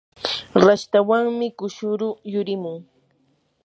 rashtawanmi kushuru yurimun.